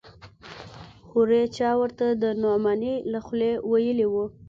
هورې چا ورته د نعماني له خولې ويلي و.